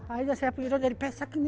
akhirnya saya pikir itu jadi pesek ini